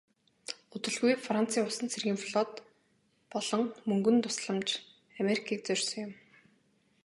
Удалгүй францын усан цэргийн флот болон мөнгөн тусламж америкийг зорьсон юм.